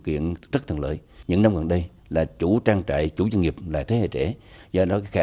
kiện rất thân lợi những năm gần đây là chủ trang trại chủ doanh nghiệp là thế hệ trẻ do đó khả